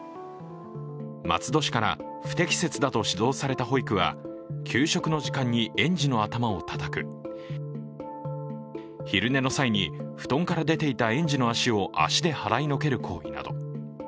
松戸市から不適切だと指導された保育は給食の時間に園児の頭をたたく昼寝の際に布団から出ていた園児の足を足で払いのける行為など。